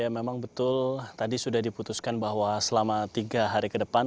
memang betul tadi sudah diputuskan bahwa selama tiga hari ke depan